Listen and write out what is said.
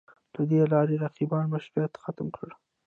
له دې لارې رقیبانو مشروعیت ختم کړي